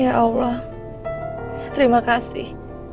ya allah terima kasih